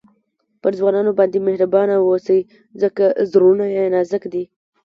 پر ځوانانو باندي مهربانه واوسئ؛ ځکه زړونه ئې نازک دي.